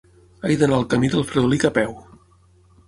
He d'anar al camí del Fredolic a peu.